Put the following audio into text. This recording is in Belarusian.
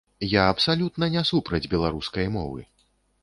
Я абсалютна не супраць беларускай мовы.